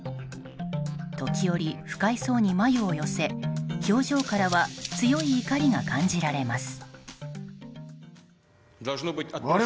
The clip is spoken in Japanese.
時折、不快そうに眉を寄せ表情からは強い怒りが感じられます。